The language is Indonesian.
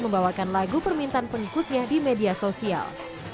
membawakan lagu permintaan pengikutnya di media sosial